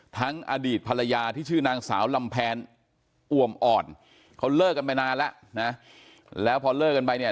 อดีตภรรยาที่ชื่อนางสาวลำแพนอวมอ่อนเขาเลิกกันไปนานแล้วนะแล้วพอเลิกกันไปเนี่ย